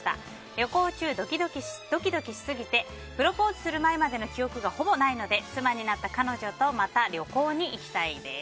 旅行中ドキドキしすぎてプロポーズする前までの記憶がほぼないので、妻になった彼女とまた旅行に行きたいです。